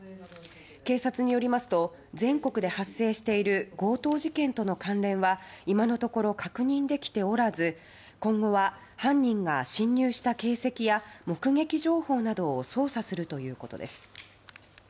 警察によりますと全国で発生している強盗事件との関連は今のところ確認できておらず今後は、犯人が侵入した形跡や目撃情報などを捜査するということです。